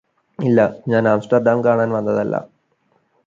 ഇല്ലാ ഞാന് ആംസ്റ്റർഡാം കാണാൻ വന്നതല്ലാ